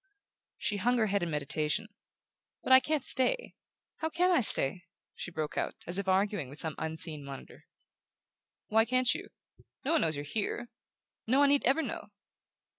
She hung her head in meditation. "But I can't stay. How CAN I stay?" she broke out, as if arguing with some unseen monitor. "Why can't you? No one knows you're here...No one need ever know."